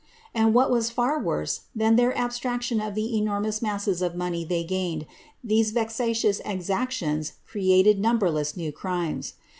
* And what was &r worse eir abstraction of the enormous masses of money' they gained, rexatious exactions created numberless new crimes.